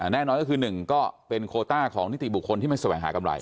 แน่นอนก็คือ๑ก็เป็นโคต้าของนิติบุคคลที่ไม่แสวงหากำไร